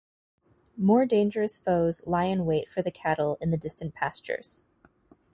More dangerous foes lie in wait for the cattle in the distant pastures.